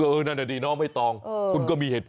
เออนั่นแหละดิน้องไม่ต้องคุณก็มีเหตุผล